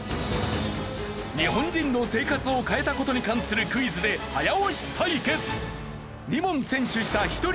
日本人の生活を変えた事に関するクイズで早押し対決。